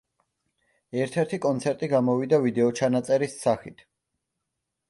ერთ-ერთი კონცერტი გამოვიდა ვიდეოჩანაწერის სახით.